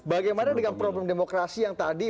bagaimana dengan problem demokrasi yang tadi